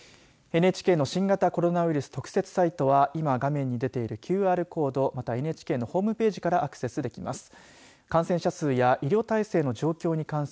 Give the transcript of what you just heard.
ＮＨＫの新型コロナウイルス特設サイトは今画面に出ているＱＲコードまたＮＨＫのホームページからアクセスできます。